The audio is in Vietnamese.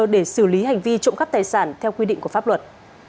để xử lý hành vi trộm cắp tài sản theo quy định của pháp luật